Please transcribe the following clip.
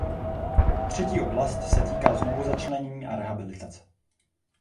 Třetí oblast se týká znovuzačlenění a rehabilitace.